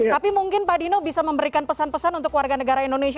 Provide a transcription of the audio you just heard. tapi mungkin pak dino bisa memberikan pesan pesan untuk warga negara indonesia